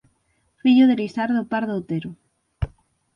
Fillo de Lisardo Pardo Otero.